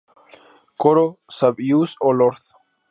Coro: Save us, O Lord.